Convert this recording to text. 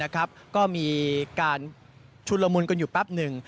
ก็มีการชุนละมุนกันอยู่แป๊บหนึ่ง